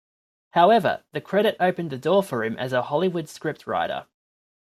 However, the credit opened the door for him as a Hollywood scriptwriter.